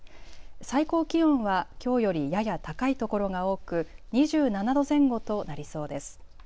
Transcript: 最高気温はきょうよりやや高いところが多く２７度前後となりそうです。